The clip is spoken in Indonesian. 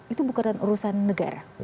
itu bukan urusan negara